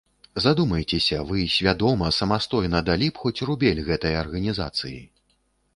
Задумайцеся, вы свядома, самастойна далі б хоць рубель гэтай арганізацыі?